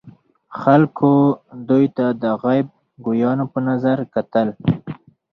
خلکو دوی ته د غیب ګویانو په نظر کتل.